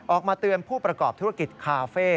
ออกมาเตือนผู้ประกอบธุรกิจคาเฟ่